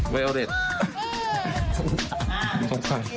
เวลเด็ด